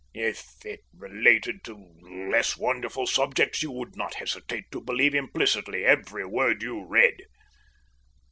If it related to less wonderful subjects, you would not hesitate to believe implicitly every word you read.